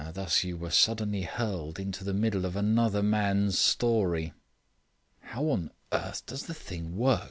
Thus you were suddenly hurled into the middle of another man's story." "How on earth does the thing work?"